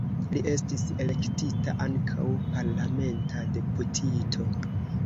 Li estis elektita ankaŭ parlamenta deputito.